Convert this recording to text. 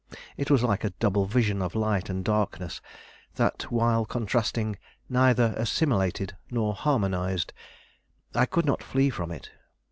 It was like a double vision of light and darkness that, while contrasting, neither assimilated nor harmonized. I could not flee from it.